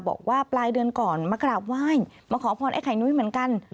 บอกว่าปลายเดือนก่อนมากราบไหว้มาขอพรไอ้ไข่นุ้ยเหมือนกัน